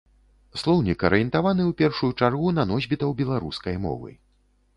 Слоўнік арыентаваны ў першую чаргу на носьбітаў беларускай мовы.